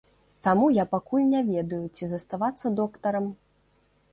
Таму я пакуль не ведаю, ці заставацца доктарам.